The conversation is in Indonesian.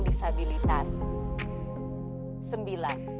sepuluh kendaraan angkutan barang